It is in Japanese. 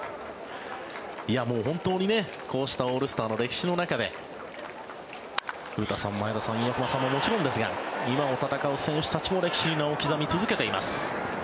本当にこうしたオールスターの歴史の中で古田さん、前田さん、岩隈さんももちろんですが今を戦う選手たちも歴史に名を刻み続けています。